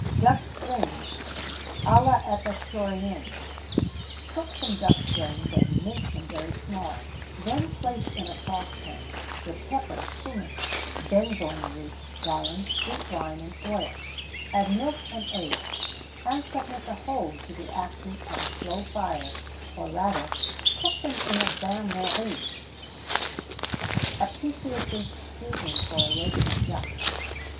[XVII 46] Ducks' Brains à l'Epicurienne. Cook some ducks' brains, and mince them very small; then place in a saucepan, with pepper, cummin, benzoin root, garum, sweet wine, and oil; add milk and eggs, and submit the whole to the action of a slow fire, or rather, cook them in a bain marie.[XVII 47] _Apicius's Seasoning for a Roast Duck.